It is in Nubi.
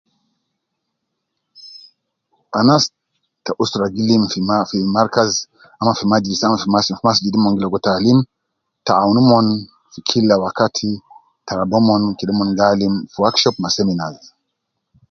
Anas ta usra gi lim fi ma fi markaz, ama fi majlis, ama fi masa masjid mon gi ligo taalim ta aun omon fi killa wakati, ta raba omon kede omon gi alim fi workshop ma seminar